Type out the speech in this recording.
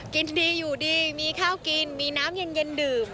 กินดีอยู่ดีมีข้าวกินมีน้ำเย็นดื่ม